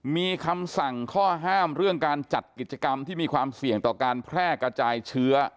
มีคำสั่งข้อห้ามเรื่องการจัดกิจกรรมที่มีความเสี่ยงต่อการแพร่กระจายเชื้อ